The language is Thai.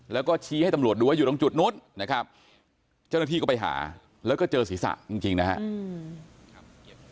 แล้วก็ชี้ให้ตำรวจดูว่าอยู่ตรงจุดนู้นนะครับเจ้าหน้าที่ก็ไปหาแล้วก็เจอศีรษะจริงนะครับ